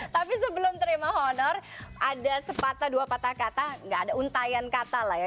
tapi sebelum terima honor ada sepatah dua patah kata gak ada untayan kata lah ya